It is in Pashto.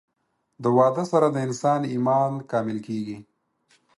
د واده سره د انسان ايمان کامل کيږي